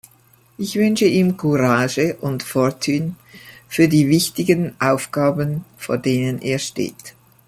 Ich wünsche ihm Courage und Fortüne für die wichtigen Aufgaben, vor denen er steht.